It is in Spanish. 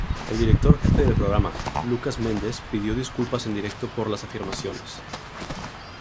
El editor jefe del programa, Lucas Mendes, pidió disculpas en directo por las afirmaciones.